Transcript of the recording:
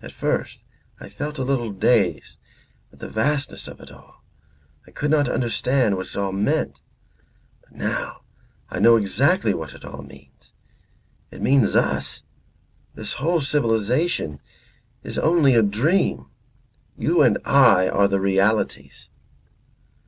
At first, I felt a little dazed with the vastness of it all. I could not understand what it all meant. But now I know exactly what it all means. It means us. This whole civilization is only a dream. You and I are the realities."